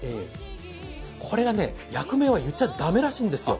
これがね、役名は言っちゃ駄目らしいんですよ。